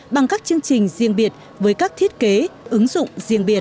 bằng các chương trình riêng biệt với các thiết kế ứng dụng